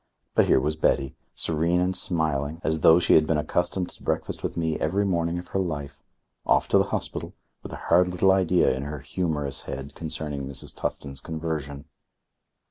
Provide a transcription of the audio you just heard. But here was Betty, serene and smiling, as though she had been accustomed to breakfast with me every morning of her life, off to the hospital, with a hard little idea in her humorous head concerning Mrs. Tufton's conversion.